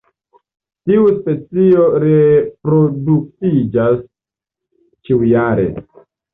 Tiu specio reproduktiĝas ĉiujare.